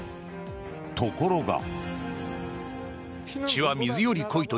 ところが。